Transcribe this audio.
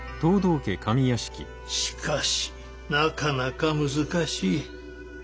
しかしなかなか難しい。